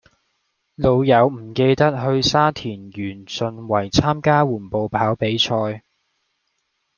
老友唔記得去沙田源順圍參加緩步跑練習